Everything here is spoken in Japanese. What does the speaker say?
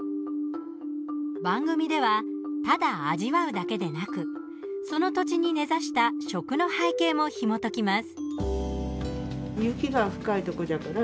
番組ではただ味わうだけでなくその土地に根ざした食の背景も、ひもときます。